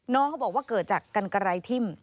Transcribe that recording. น้องเขาบอกว่าเกิดจากกันกระไรทิ่ม